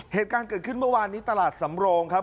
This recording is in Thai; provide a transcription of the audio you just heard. เหตุการณ์เกิดขึ้นเมื่อวานนี้ตลาดสำโรงครับ